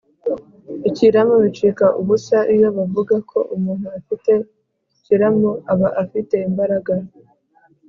ikiramo bicika ubusa iyo bavuga ko umuntu afite ikiramo aba afite imbaraga